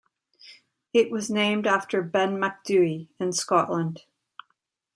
It was named after Ben Macdhui in Scotland.